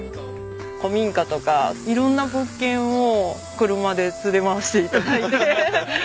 古民家とか色んな物件を車で連れ回して頂いて。